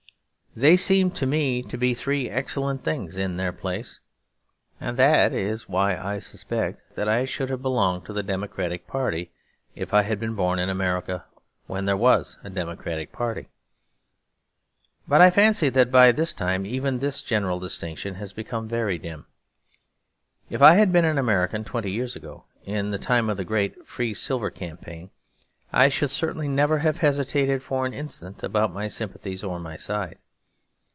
They seem to me to be three excellent things in their place; and that is why I suspect that I should have belonged to the Democratic party, if I had been born in America when there was a Democratic party. But I fancy that by this time even this general distinction has become very dim. If I had been an American twenty years ago, in the time of the great Free Silver campaign, I should certainly never have hesitated for an instant about my sympathies or my side.